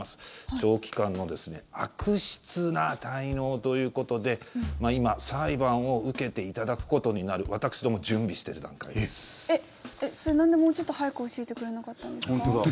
長期期間の悪質な滞納ということで今、裁判を受けていただくことになるそれ、なんでもうちょっと早く教えてくれなかったんですか？